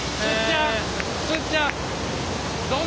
すっちゃん。